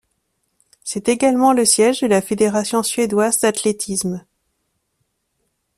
C'est également le siège de la Fédération suédoise d'athlétisme.